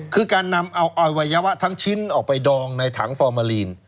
คือการนำเอาอวัยวะทั้งชิ้นออกไปดองในถังฟอร์มาลีน